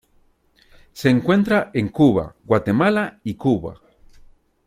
Se encuentra en Cuba, Guatemala y Cuba.